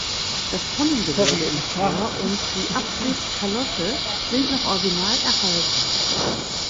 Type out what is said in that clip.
Das Tonnengewölbe im Chor und die Apsiskalotte sind noch original erhalten.